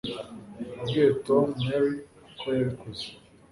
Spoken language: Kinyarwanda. Wabwiye Tom Mary ko yabikoze